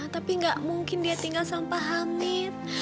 tapi gak mungkin dia tinggal sampai hamil